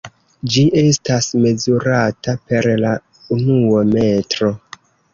Ĝi estas mezurata per la unuo metro.